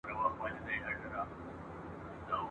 چي سرکوزی په دې پوه سو زمری زوړ دی ..